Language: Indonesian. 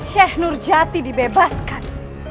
seh nurjati dibebaskan